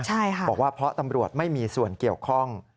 ใช่ค่ะบอกว่าเพราะตำรวจไม่มีส่วนเกี่ยวข้อง